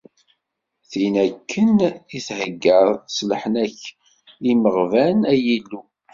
Tin akken i theyyaḍ s leḥnana-k i yimeɣban, ay Illu!